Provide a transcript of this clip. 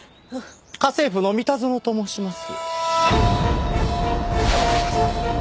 家政夫の三田園と申します。